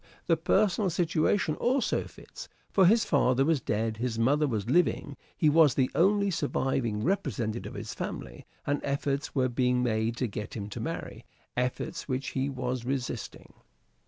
The personal situation also fits, for his father was dead, his mother was living, he was the only surviving representative of his family, and efforts were being made to get him to marry : efforts which he was resisting.